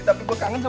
sudah banget kan